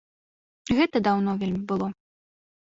Гэта даўно вельмі было.